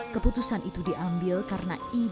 keputusan itu diambil karena ibu